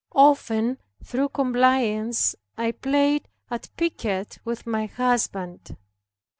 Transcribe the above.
Often through compliance I played at piquet with my husband.